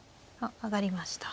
上がりました。